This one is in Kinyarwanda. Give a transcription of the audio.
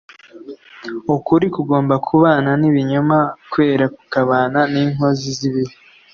ukuri kugomba kubana n'ibinyoma, kwera kukabana n'inkozi z'ibibi.